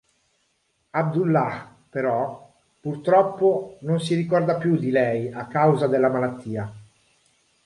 Abdullah, però, purtroppo non si ricorda più di lei a causa della malattia.